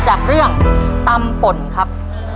จากเรื่องตำป่นครับ